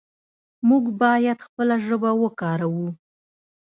موږ باید خپله ژبه وکاروو.